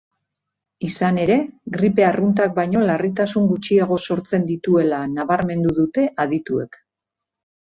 Izan ere, gripe arruntak baino larritasun gutxiago sortzen dituela nabarmendu dute adituek.